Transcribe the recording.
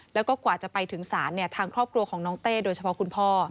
แล้วก็กว่าจะไปถึงศาลทางครอบครัวของน้องเต้โดยเฉพาะคุณพ่อ